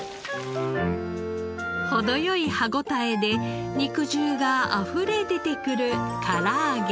程良い歯応えで肉汁があふれ出てくるからあげ。